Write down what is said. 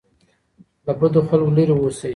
له بدو خلګو لري اوسئ.